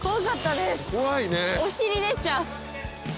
お尻出ちゃう。